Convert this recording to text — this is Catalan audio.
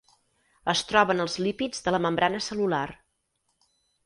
Es troba en els lípids de la membrana cel·lular.